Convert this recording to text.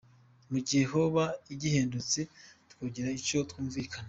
mu gihe hoba igihindutse twogira ico twumvikanaye.